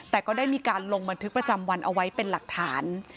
แต่ก็ได้มีการลงบันทึกประจำวันเอาไว้เป็นหลักฐาน